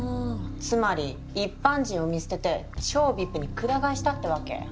つまり一般人を見捨てて超ＶＩＰにくら替えしたってわけ？